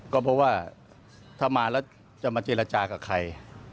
ก็เพราะว่าถ้ามาแล้วจะมาเจรจากับใคร